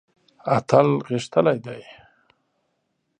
اتل غښتلی دی.